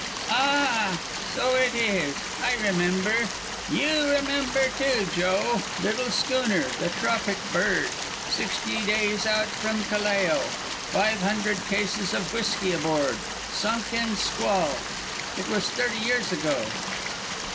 "Ah! So it is. I remember. You remember, too, Joe. Little schooner, the Tropic Bird sixty days out from Callao five hundred cases of whisky aboard sunk in squall. It was thirty years ago.